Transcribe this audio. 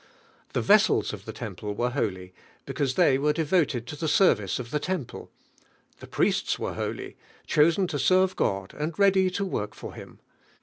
The vessels of the temple were holy, because they were de voted to the service of the temple; the priests were holy, cluisen to serve God and ready to work for Him.